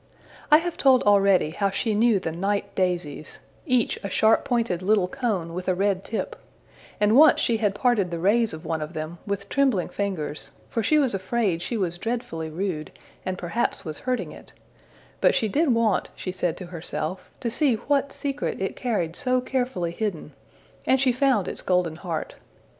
I have told already how she knew the night daisies, each a sharp pointed little cone with a red tip; and once she had parted the rays of one of them, with trembling fingers, for she was afraid she was dreadfully rude, and perhaps was hurting it; but she did want, she said to herself, to see what secret it carried so carefully hidden; and she found its golden heart.